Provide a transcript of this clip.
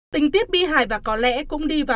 tình tiết bi hài và có lẽ cũng đi và đi